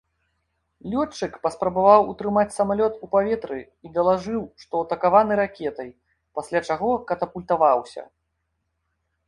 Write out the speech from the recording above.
Лётчык паспрабаваў утрымаць самалёт у паветры і далажыў, што атакаваны ракетай, пасля чаго катапультаваўся.